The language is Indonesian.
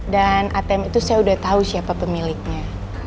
dan atm itu saya udah tau siapa pemiliknya